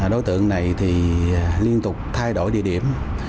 đối tượng này thì liên tục thay đổi địa điểm